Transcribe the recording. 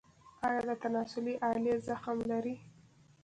ایا د تناسلي آلې زخم لرئ؟